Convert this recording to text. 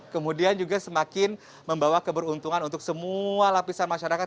kemudian juga semakin membawa keberuntungan untuk semua lapisan masyarakat